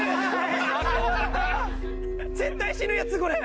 絶対死ぬやつこれ！